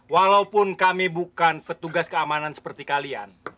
walaupun kami bukan petugas keamanan seperti kalian